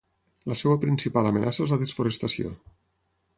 La seua principal amenaça és la desforestació.